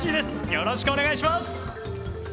よろしくお願いします。